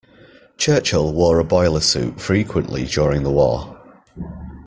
Churchill wore a boiler suit frequently during the war